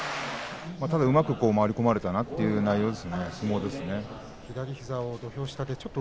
ただ、うまく回り込まれたなという相撲ですね。